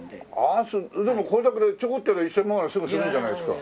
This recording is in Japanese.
ああでもこれだけでちょこっとやれば１０００万円すぐするんじゃないですか？